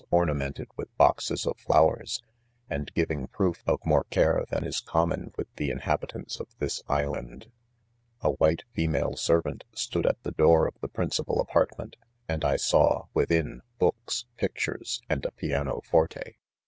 ornamented with boxes of flowers, and giving proof of more care than is common with the inhabitants of this island* A white 'femaje servant stood at the door of the principal apartment, and I rm J within hooksj picture^ and apknc fotto THE